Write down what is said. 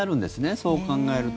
そう考えると。